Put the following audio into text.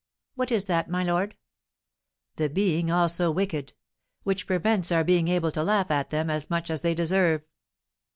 "What is that, my lord?" "The being also wicked; which prevents our being able to laugh at them as much as they deserve."